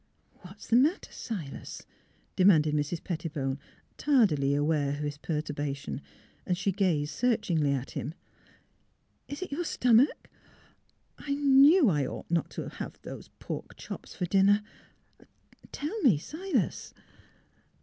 " What is the matter, Silas? " demanded Mrs, Pettibone, tardily aware of his perturba tion. She gazed searchingly at him. "Is it your stomach? I knew I ought not to have those pork chops for dinner. ... Tell me, Silas?